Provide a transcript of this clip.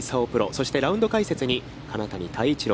そしてラウンド解説に金谷多一郎